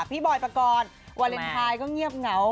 บอยปกรณ์วาเลนไทยก็เงียบเหงา